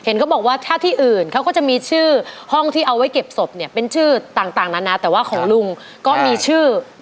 เขาบอกว่าถ้าที่อื่นเขาก็จะมีชื่อห้องที่เอาไว้เก็บศพเนี่ยเป็นชื่อต่างนานาแต่ว่าของลุงก็มีชื่อ